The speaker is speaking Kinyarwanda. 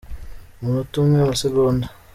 umunota umwe, amasegonda